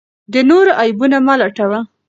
د نورو عیبونه مه لټوه.